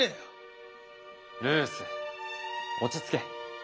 ルース落ち着け。